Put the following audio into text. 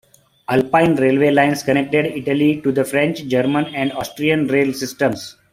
Alpine railway lines connected Italy to the French, German and Austrian rail systems.